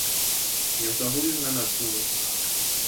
Nyoka huyu hana sumu.